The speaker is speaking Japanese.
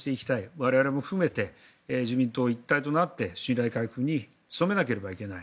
我々も含めて自民党一体となって信頼回復に努めなければいけない。